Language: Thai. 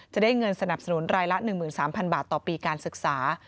จะได้เงินสนับสนุนรายละ๑๓๐๐๐บาทต่อปีการศึกษา